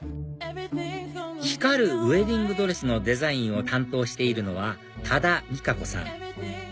光るウエディングドレスのデザインを担当しているのは多田雅香子さん